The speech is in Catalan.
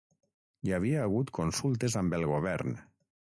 Hi havia hagut consultes amb el govern.